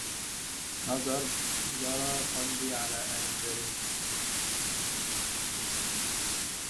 نظر جرى قلبي على آثاره